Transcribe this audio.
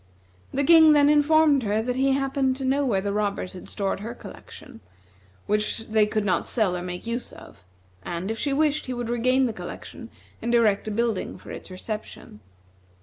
The King then informed her that he happened to know where the robbers had stored her collection, which they could not sell or make use of, and if she wished, he would regain the collection and erect a building for its reception.